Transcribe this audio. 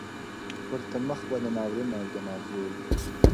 • ورته مخ به د ناورين او جنازو وي -